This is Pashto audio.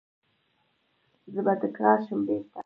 زه به تکرار شم بیرته